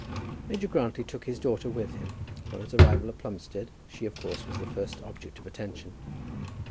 Major Grantly took his daughter with him, and on his arrival at Plumstead she of course was the first object of attention.